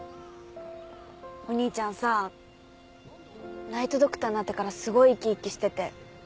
お兄ちゃんさナイト・ドクターになってからすごい生き生きしてて。